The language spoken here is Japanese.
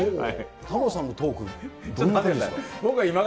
タモさんのトーク、どんな感じですか。